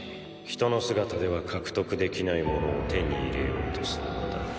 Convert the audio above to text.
人の姿では獲得できないものを手に入れようとするのだな。